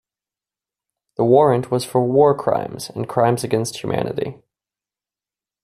The warrant was for war crimes and crimes against humanity.